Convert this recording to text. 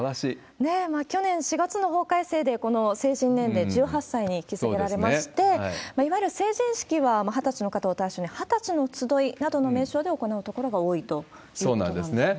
去年４月の法改正で、成人年齢、１８歳に引き下げられまして、いわゆる成人式は、２０歳の方を対象に、２０歳の集いなどの名称で行う所が多いということなんですね。